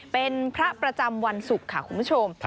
เป็นพระประจำวันศุกร์ค่ะคุณผู้ชม